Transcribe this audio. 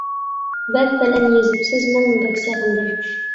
! بەك بەلەن يېزىپسىز، مەنمۇ بەك سېغىندىم!